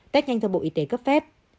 test nhanh do bộ y tế cấp phép